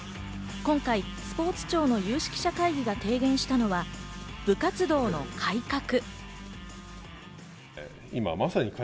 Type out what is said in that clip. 今回、スポーツ庁の有識者会議が提言したのは部活動の改革。